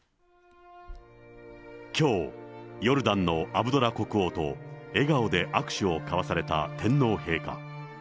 きょう、ヨルダンのアブドラ国王と笑顔で握手を交わされた天皇陛下。